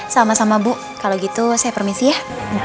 sama sama bu kalau gitu saya permisi ya